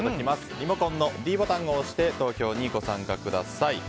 リモコンのｄボタンを押して投票にご参加ください。